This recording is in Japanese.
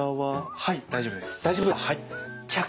はい大丈夫です。